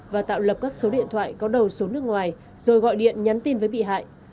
và tạo lập các số điện thoại có đầu số nước ngoài rồi gọi điện nhắn tin với bị hại